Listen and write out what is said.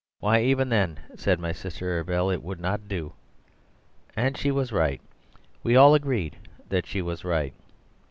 'Why, even then,' said my sister Arabel, 'it would not do.' And she was right; we all agreed that she was right."